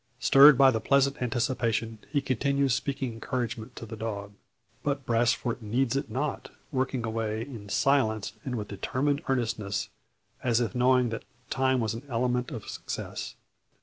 Stirred by the pleasant anticipation, he continues speaking encouragement to the dog. But Brasfort needs it not, working away in silence and with determined earnestness, as if knowing that time was an element of success.